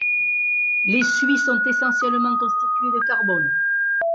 Les suies sont essentiellement constituées de carbone.